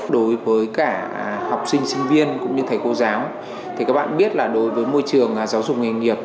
đối với cả học sinh sinh viên cũng như thầy cô giáo thì các bạn biết là đối với môi trường giáo dục nghề nghiệp